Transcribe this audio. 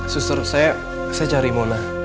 suster saya cari mona